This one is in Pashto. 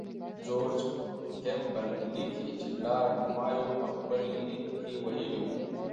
جورج کیمبل لیکي چې لارډ مایو په خپل لیک کې ویلي وو.